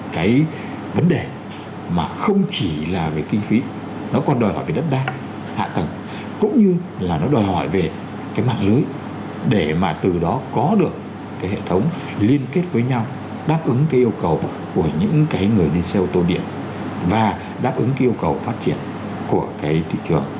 cái vấn đề mà không chỉ là về kinh phí nó còn đòi hỏi về đất đa hạ tầng cũng như là nó đòi hỏi về cái mạng lưới để mà từ đó có được cái hệ thống liên kết với nhau đáp ứng cái yêu cầu của những cái người đi xe ô tô điện và đáp ứng cái yêu cầu phát triển của cái thị trường